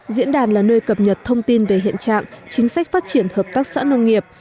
diễn đàn là nơi cập nhật thông tin về hiện trạng chính sách phát triển hợp tác xã nông nghiệp